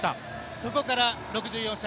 そこから６４試合